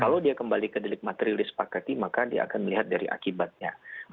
kalau dia kembali ke delik material disepakati maka dia akan melihat dari akibatnya